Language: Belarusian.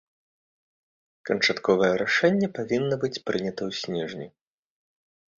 Канчатковае рашэнне павінна быць прынята ў снежні.